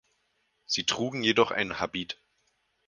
Sie trugen jedoch einen Habit.